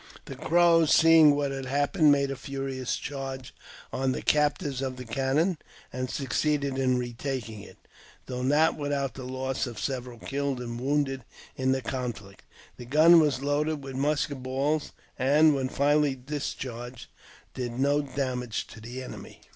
The Crows, seeing what had hap pened, made a furious charge on the captors of the cannon, and succeeded in retaking it, though not without the loss of 294 AUTOBIOGBAPHY OF several killed and wounded in the confiict. The gun was loaded with musket balls, and, when finally discharged, did no damage to the enemy.